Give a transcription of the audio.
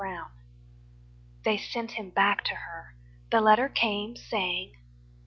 3 Autoplay They sent him back to her. The letter came Saying...